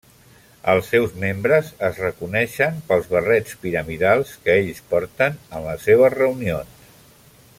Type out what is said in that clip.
Els seus membres es reconeixen pels barrets piramidals que ells porten en les seves reunions.